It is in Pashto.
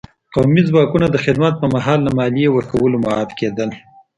قومي ځواکونه د خدمت په مهال له مالیې ورکولو معاف کېدل.